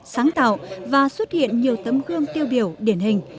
sáng tạo và xuất hiện nhiều tấm gương tiêu biểu điển hình